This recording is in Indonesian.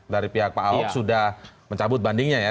dari pihak pak ahok sudah mencabut bandingnya ya